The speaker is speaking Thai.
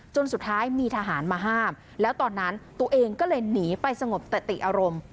จนสุดท้ายมีทหารมาห้ามแล้วตอนนั้นตัวเองก็เลยหนีไปสงบสติอารมณ์